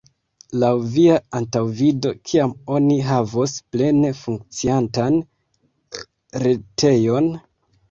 Laŭ via antaŭvido, kiam oni havos plene funkciantan retejon?